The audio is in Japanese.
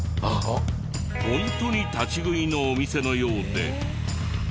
ホントに立ち食いのお店のようで。